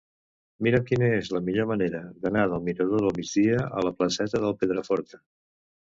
Mira'm quina és la millor manera d'anar del mirador del Migdia a la placeta del Pedraforca.